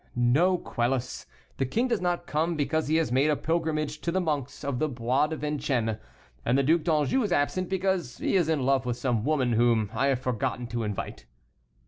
"No, Quelus, the king does not come, because he has made a pilgrimage to the monks of the Bois de Vincennes; and the Duc d'Anjou is absent, because he is in love with some woman whom I have forgotten to invite."